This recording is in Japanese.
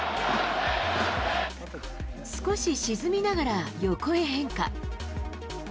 少し沈みながら横へ変化。